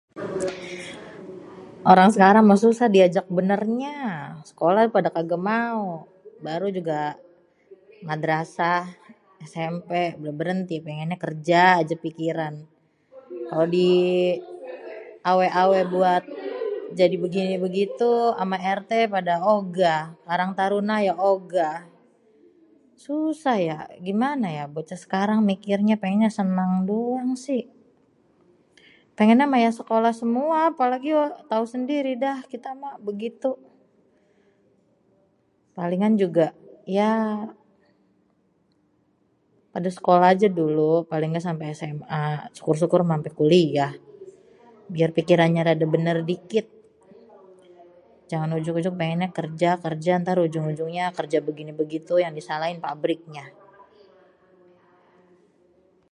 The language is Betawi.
Orang sekarang mah susah diajak benérnya. Sekolah pada kagak mau. Baru juga madrasah, SMP, udah berenti pengennya kerja aja pikiran. Kalo di awé-awé buat jadi begini begitu tu ama RT pada ogah. Karang Taruna ya ogah. Susah yak, gimana yak, bocah sekarang mikirnya pengennya seneng doang sih. Pengennya ya sekolah semua apalagi tau sendiri dah kita mah begitu. Palingan juga ya pada sekolah aja dulu, paling nggak sampé SMA, syukur-syukur mah ampé kuliah biar pikirannya rada benèr dikit. Jangan ujug-ujug pengennya kerja, kerja ntar unjung-unjungnya kerja begini begitu yang disalahin pabriknya.